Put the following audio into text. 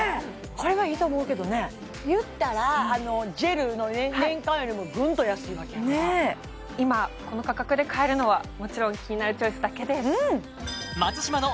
これはいいと思うけどね言ったらジェルの年間よりもグンと安いわけやから今この価格で買えるのはもちろん「キニナルチョイス」だけです！